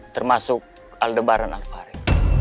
termasuk aldebaran alvare